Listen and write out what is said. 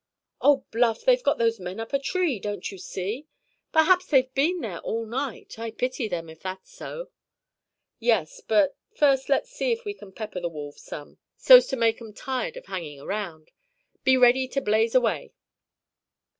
"Oh, Bluff, they've got those men up a tree, don't you see? Perhaps they've been there all night. I pity them, if that's so." "Yes; but first let's see if we can pepper the wolves some, so's to make 'em tired of hanging around. Be ready to blaze away."